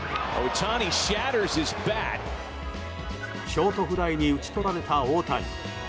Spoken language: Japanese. ショートフライに打ち取られた大谷。